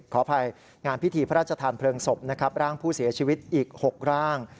ขออภัยงานพิธีพระราชทานเพลิงศพนะครับร่างผู้เสียชีวิตอีก๖ร่าง